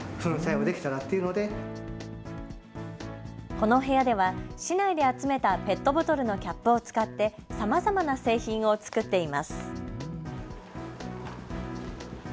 この部屋では市内で集めたペットボトルのキャップを使ってさまざまな製品を作っています。